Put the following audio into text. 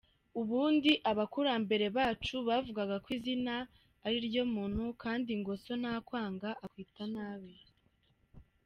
Ubundi abakurambere bacu bavugaga ko izina aririryo muntu, kandi ngo so ntakwanga akwita nabi.